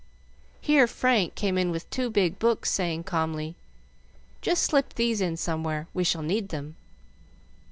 Here Frank came in with two big books, saying calmly, "Just slip these in somewhere, we shall need them."